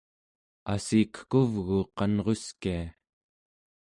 assikekuvgu qanruskia